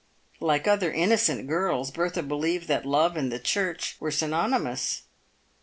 Like other innocent girls, Bertha believed that love and the church were synonymous.